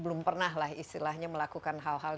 belum pernah lah istilahnya melakukan hal hal